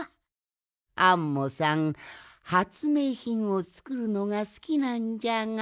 アンモさんはつめいひんをつくるのがすきなんじゃが